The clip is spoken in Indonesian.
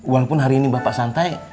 walaupun hari ini bapak santai